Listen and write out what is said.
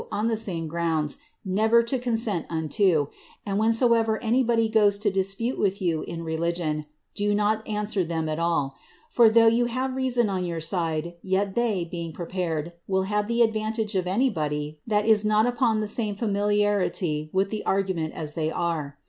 on the yamn grrnrnds, never to consent unto ; and vheiH soever anybody goes to diypute with you in religion, do not answer them at sIL For, though you have reason on your side, yet they, being prepared, will bavi the advantage of anybody that is not upon the same familiarity with the aigs* ment as they are.